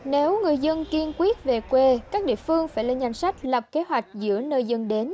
nếu người dân kiên quyết về quê các địa phương phải lên danh sách lập kế hoạch giữa nơi dân đến